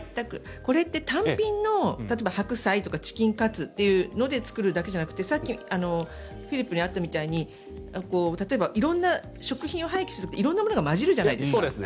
これって単品の白菜とかチキンカツで作るだけじゃなくてフリップにあったみたいに例えば食品を廃棄すると色んなものが混じるじゃないですか。